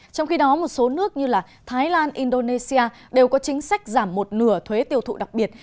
trong khi đó một số nước như thái lan indonesia đều có chính sách giảm một nửa thuế tiêu thụ đặc biệt